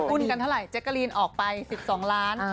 อุ้นกันเท่าไหร่เจ็กเกอรีนออกไป๑๒ล้าน